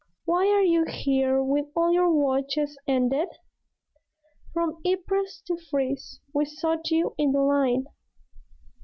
"Why are you here with all your watches ended? From Ypres to Frise we sought you in the Line."